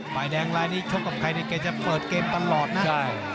ฝ่ายแดงลายนี้ชกกับใครเนี่ยแกจะเปิดเกมตลอดนะใช่